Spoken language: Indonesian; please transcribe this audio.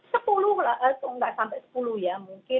sepuluh lah tidak sampai sepuluh ya